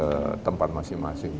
ke tempat masing masing